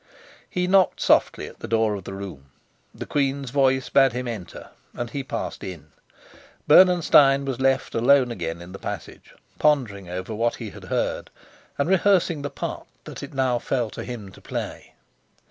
He knocked softly at the door of the room. The queen's voice bade him enter, and he passed in. Bernenstein was left alone again in the passage, pondering over what he had heard and rehearsing the part that it now fell to him to play.